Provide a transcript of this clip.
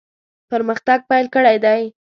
پرمختګ پیل کړی دی.